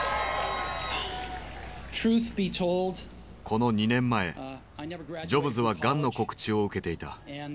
この２年前ジョブズはがんの告知を受けていた。